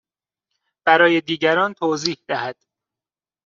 برای دیگران توضیح دهد